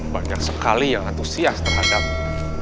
banyak sekali yang antusias terhadapnya